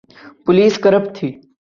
Police corrupt تھی۔